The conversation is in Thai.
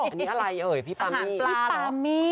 อันนี้อะไรเอ่ยพี่ปามีอาหารปลาเหรอพี่ปามี